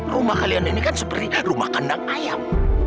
rumah kalian ini kan seperti rumah kandang ayam